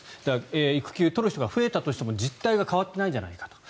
育休を取る人が増えたとしても実態が変わっていないんじゃないかと。